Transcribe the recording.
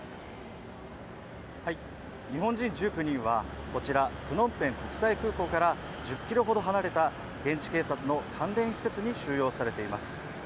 日本人１９人はこちらプノンペン国際空港から１０キロほど離れた現地警察の関連施設に収容されています。